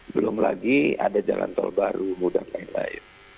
belum lagi ada jalan tol baru mudah dan lain lain